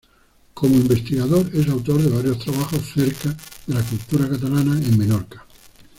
Como investigador es autor de varios trabajos acerca de la cultura catalana en Menorca.